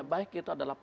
baik itu adalah